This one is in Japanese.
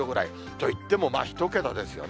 といっても１桁ですよね。